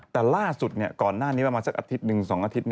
แต่ล่าสุดก่อนหน้านี้ประมาณสักอาทิตย์หนึ่ง๒อาทิตย์